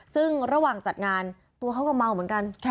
ซึ่งระหว่างจัดงานตัวเขาก็เมาเหมือนกัน